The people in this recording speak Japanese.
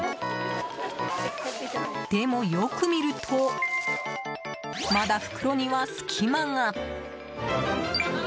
でも、よく見るとまだ袋には隙間が。